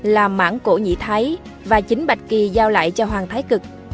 là mãng cổ nhị thái và chính bạch kỳ giao lại cho hoàng thái cực